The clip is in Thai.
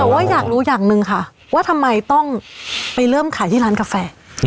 แต่ว่าอยากรู้อย่างหนึ่งค่ะว่าทำไมต้องไปเริ่มขายที่ร้านกาแฟ